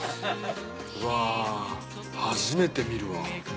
うわ初めて見るわ。